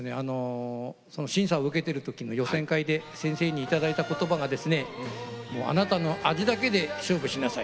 審査を受けてる時予選会で先生にいただいた言葉があなたの味だけで勝負しなさい。